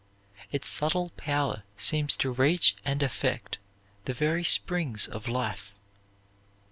Its subtle power seems to reach and affect the very springs of life.